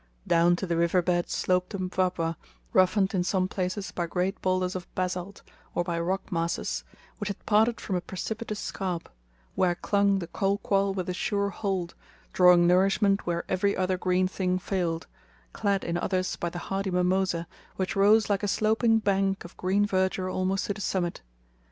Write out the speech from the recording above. Down to the river bed sloped the Mpwapwa, roughened in some places by great boulders of basalt, or by rock masses, which had parted from a precipitous scarp, where clung the kolquall with a sure hold, drawing nourishment where every other green thing failed; clad in others by the hardy mimosa, which rose like a sloping bank of green verdure almost to the summit.